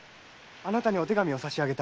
あなたにお手紙を差しあげた。